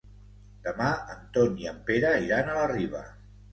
Demà en Ton i en Pere iran a la Riba.